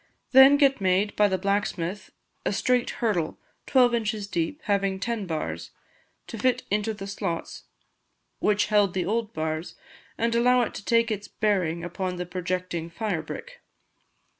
Then get made by the blacksmith a straight hurdle, twelve inches deep, having ten bars, to fit into the slots which held the old bars, and allow it to take its bearing upon the projecting fire brick.